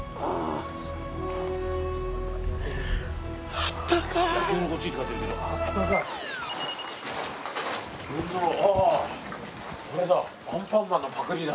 あっあれだアンパンマンのパクリだ。